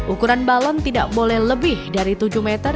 ukuran balon tidak boleh lebih dari tujuh meter